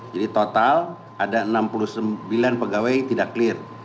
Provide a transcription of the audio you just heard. jadi total ada enam puluh sembilan pegawai tidak clear